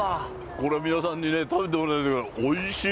これ皆さんに食べてもらいたい、おいしい。